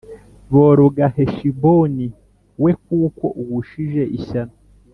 Boroga Heshiboni wekuko ugushije ishyano